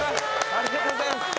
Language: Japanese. ありがとうございます。